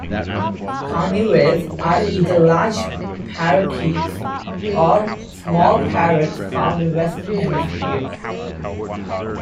Conures are either large parakeets or small parrots found in the Western Hemisphere.